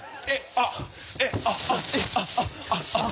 あっあっ。